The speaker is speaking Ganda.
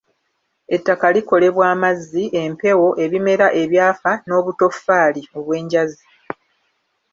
Ettaka likolebwa amazzi, empewo, ebimera ebyafa, n'obutoffali obw'enjazi